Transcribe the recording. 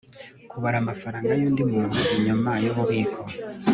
Kubara amafaranga yundi muntu inyuma yububiko